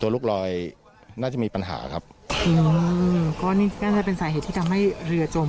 ตัวลูกลอยน่าจะมีปัญหาครับอืมก็นี่ก็จะเป็นสหายเผชินที่ทำให้เรือจม